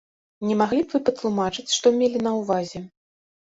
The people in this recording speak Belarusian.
Не маглі б вы патлумачыць, што мелі на ўвазе?